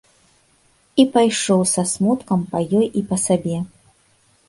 І пайшоў са смуткам па ёй і па сабе.